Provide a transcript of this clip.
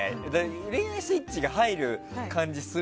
恋愛スイッチが入る感じする？